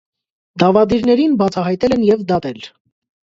Դավադիրներին բացահայտել են և դատել։